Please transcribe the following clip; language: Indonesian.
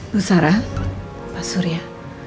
besara pak surya